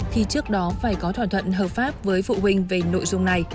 thì trước đó phải có thỏa thuận hợp pháp với phụ huynh về nội dung này